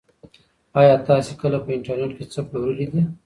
ایا تاسي کله په انټرنيټ کې څه پلورلي دي؟